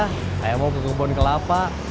saya mau ke kebun kelapa